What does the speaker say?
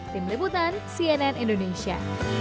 tim liputan cnn indonesia